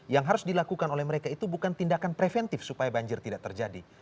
yang harus dilakukan oleh mereka itu bukan tindakan preventif supaya banjir tidak terjadi